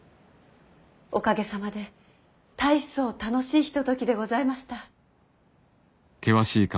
おかげさまで大層楽しいひとときでございました。